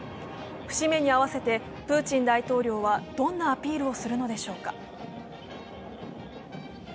節目に合わせてプーチン大統領はどんなアピールをするのでしょうか。